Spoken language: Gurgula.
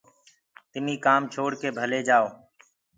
تمي ڪآم ڇوڙ ڪي ڀلي جآئو۔